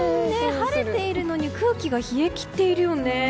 晴れているのに空気が冷え切っているよね。